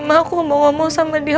mbak aku mau ngomong sama dia